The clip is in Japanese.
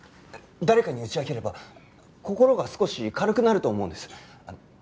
誰かに打ち明ければ心が少し軽くなると思うんです。